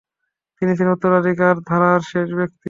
তিনি ছিলেন উত্তরাধিকারের ধারার শেষ ব্যক্তি।